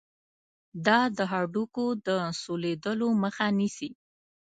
دا د هډوکو د سولیدلو مخه نیسي.